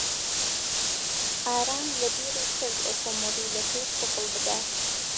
ئارام لەبیری کرد ئۆتۆمۆبیلەکەی قوفڵ بدات.